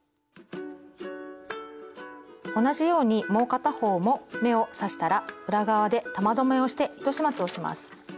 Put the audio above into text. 同じようにもう片方も目を刺したら裏側で玉留めをして糸始末をします。